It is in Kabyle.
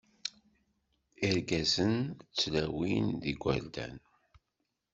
Irgazen d tlawin d yigerdan.